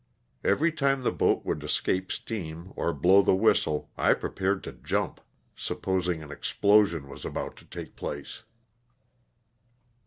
Every time the boat would escape steam or blow the whistle I prepared to jump, supposing an explosion was about to take place.